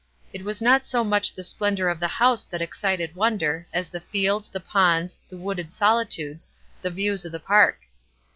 It was not so much the spl ndour of the house that excited wonder, as the fields, the pond. , the wooded solitudes, the views of the park.